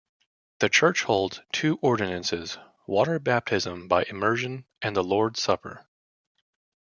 The church holds two ordinances - water baptism by immersion and the Lord's supper.